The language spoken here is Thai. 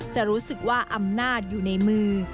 จะรู้สึกว่าอำนาจอยู่ในมือ